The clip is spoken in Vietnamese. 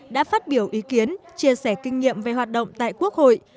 đã phát biểu ý kiến chia sẻ kinh nghiệm về hoạt động tại quốc hội